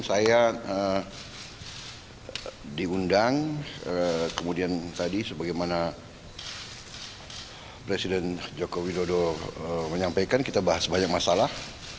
saya diundang kemudian tadi sebagaimana presiden joko widodo menyampaikan kita bahas banyak masalah